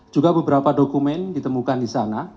juga beberapa dokumen ditemukan di sana